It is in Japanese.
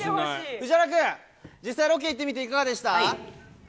藤原君、実際ロケ行ってみていかがでした？